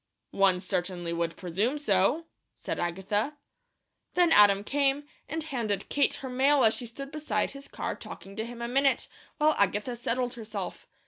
"One certainly would presume so," said Agatha. Then Adam came, and handed Kate her mail as she stood beside his car talking to him a minute, while Agatha settled herself.